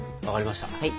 分かりました